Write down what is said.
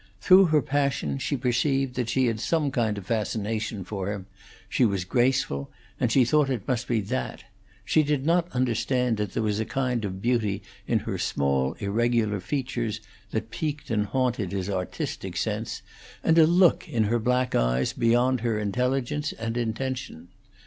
Through her own passion she perceived that she had some kind of fascination for him; she was graceful, and she thought it must be that; she did not understand that there was a kind of beauty in her small, irregular features that piqued and haunted his artistic sense, and a look in her black eyes beyond her intelligence and intention.